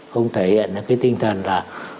không thể hiện cái tinh thần là